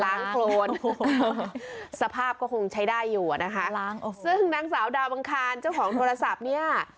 โครนสภาพก็คงใช้ได้อยู่อ่ะนะคะซึ่งนางสาวดาวบังคารเจ้าของโทรศัพท์เนี่ย